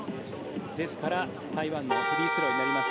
ですから、台湾はフリースローになります。